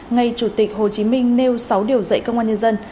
ngày chủ tịch hồ chí minh nêu sáu điều dạy công an nhân dân